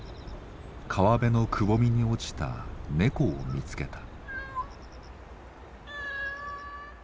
川辺のくぼみに落ちた猫を見つけた。